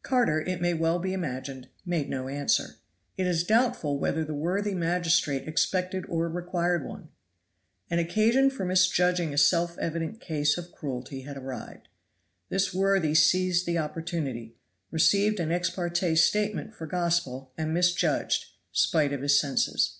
Carter, it may well be imagined, made no answer. It is doubtful whether the worthy magistrate expected or required one. An occasion for misjudging a self evident case of cruelty had arrived. This worthy seized the opportunity, received an ex parte statement for Gospel, and misjudged, spite of his senses.